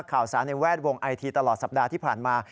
ข่าวสารในแวดวงไอทีตลอดสัปดาห์ที่ผ่านมา